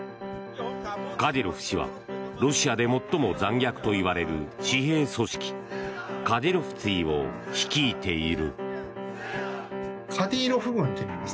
カディロフ氏はロシアで最も残虐といわれる私兵組織カディロフツィを率いている。